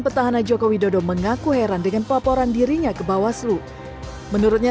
petahana jokowi dodo mengaku heran dengan pelaporan dirinya ke bawah seluruh menurutnya